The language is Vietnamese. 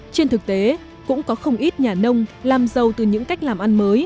trên thực tế cũng có không ít nhà nông làm giàu từ những cách làm ăn mới